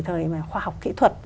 thời khoa học kỹ thuật